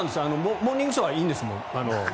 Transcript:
「モーニングショー」はいいです。